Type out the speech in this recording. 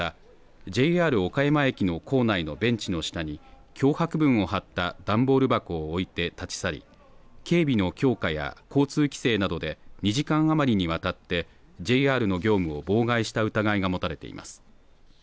ＪＲ岡山駅の構内のベンチの下に脅迫文を貼った段ボール箱を置いて立ち去り警備の強化や交通規制などで２時間余りにわたってＪＲの業務を妨害した疑いが持たれています。